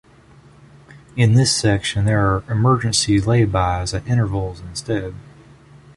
In this section there are emergency lay-bys at intervals instead.